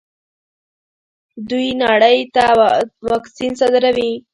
دوی نړۍ ته واکسین صادروي.